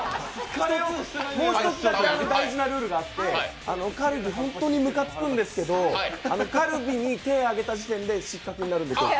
もう一つだけ大事なルールがあってカルビ、本当にむかつくんですけどもカルビに手あげた時点で失格になります。